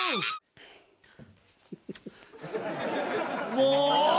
もう！